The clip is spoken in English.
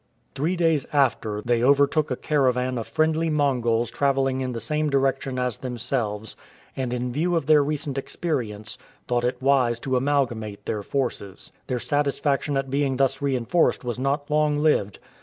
Three days after, they overtook a caravan of friendly Mongols travelling in the same direction as themselves, and in view of their recent experience, thought it wise to amalgamate their forces. Their satisfaction at being thus reinforced was not long lived.